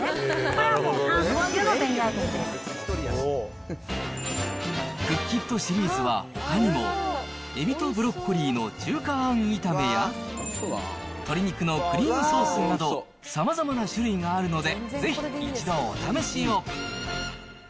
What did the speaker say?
これはもう、クッキットシリーズは、ほかにも、えびとブロッコリーの中華あん炒めや、鶏肉のクリームソースなど、さまざまな種類があるので、ぜひ一度お試しを。